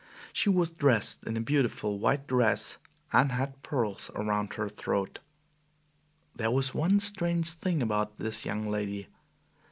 She was dressed in a beautiful white dress, and had pearls around her throat. There was one strange thing about this young lady.